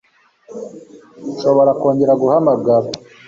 Nshobora kongera guhamagara